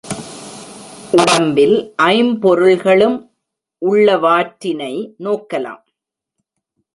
உடம்பில் ஐம்பொருள்களும் உள்ளவாற்றினை நோக்கலாம்.